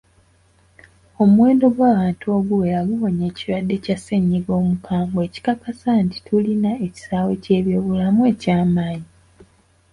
Omuwendo gw'abantu oguwera guwonye ekirwadde kya ssennyiga omukambwe ekikakasa nti tulina ekisaawe ky'ebyobulamu eky'amaanyi.